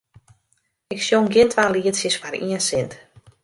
Ik sjong gjin twa lietsjes foar ien sint.